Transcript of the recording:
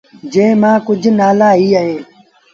جݩهݩ مآݩ ڪجھ نآلآ اي اهيݩ